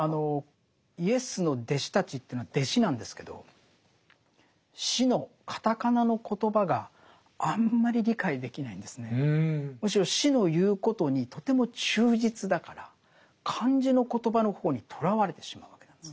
イエスの弟子たちというのは弟子なんですけどむしろ師の言うことにとても忠実だから漢字の言葉の方にとらわれてしまうわけなんです。